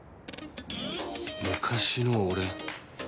昔の俺